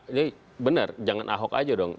ini benar jangan ahok aja dong